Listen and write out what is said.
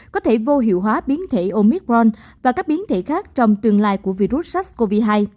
có thể vô hiệu hóa biến thể omicron và các biến thể khác trong tương lai của virus sars cov hai